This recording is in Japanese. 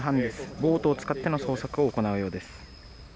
ボートを使っての捜索を行うようです。